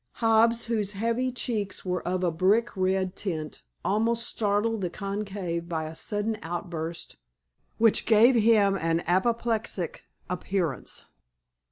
Hobbs, whose heavy cheeks were of a brick red tint, almost startled the conclave by a sudden outburst which gave him an apoplectic appearance.